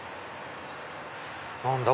何だ？